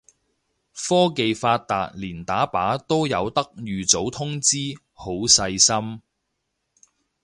科技發達連打靶都有得預早通知，好細心